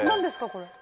これ。